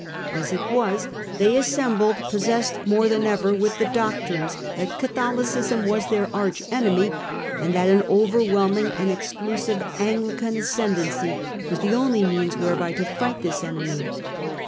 As it was, they assembled possessed more than ever with the doctrines that Catholicism was their arch enemy, and that an overwhelming and exclusive Anglican ascendancy was the only means whereby to fight this enemy.